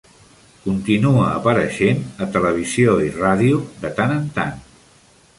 Continua apareixent a televisió i ràdio de tant en tant.